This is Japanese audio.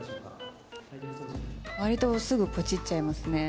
わりとすぐぽちっちゃいますね。